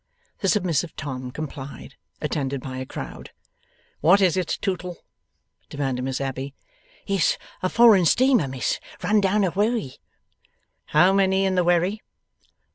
The submissive Tom complied, attended by a crowd. 'What is it, Tootle?' demanded Miss Abbey. 'It's a foreign steamer, miss, run down a wherry.' 'How many in the wherry?